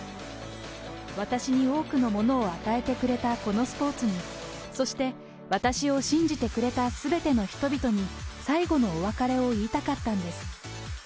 私に多くのものを与えてくれたこのスポーツに、そして、私を信じてくれたすべての人々に、最後のお別れを言いたかったんです。